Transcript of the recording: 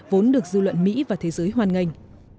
vốn được dư luận mỹ và thế giới hoàn ngành